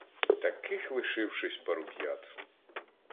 Таких лишившись паруб'ят.